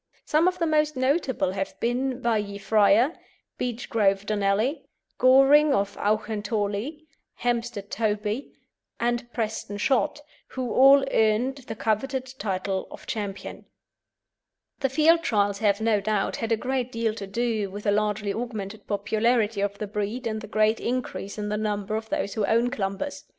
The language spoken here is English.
Some of the most notable have been Baillie Friar, Beechgrove Donally, Goring of Auchentorlie, Hempstead Toby, and Preston Shot, who all earned the coveted title of Champion. The Field Trials have, no doubt, had a great deal to do with the largely augmented popularity of the breed and the great increase in the number of those who own Clumbers.